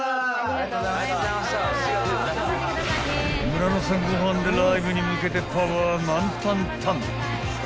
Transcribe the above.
［村野さんご飯でライブに向けてパワー満タンタン］